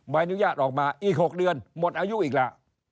ใบอนุญาตออกมาอีก๖เดือนหมดอายุอีกแล้ว